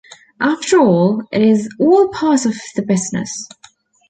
After all, it's all part of the business.